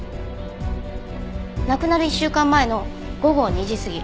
亡くなる１週間前の午後２時過ぎ。